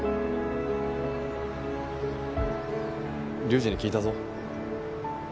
龍二に聞いたぞ。